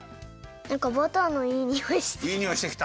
なんかバターのいいにおいしてきた。